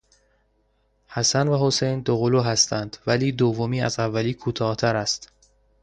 حسن و حسین دوقلو هستند ولی دومی از اولی کوتاهتر است.